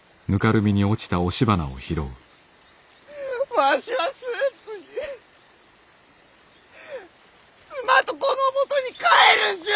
わしは駿府に妻と子のもとに帰るんじゃあ！